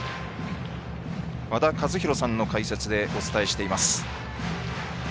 和田一浩さんの解説でお伝えしています。